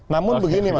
namun begini mas